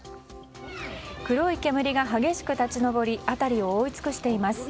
黒い煙が激しく立ち上り辺りを覆い尽くしています。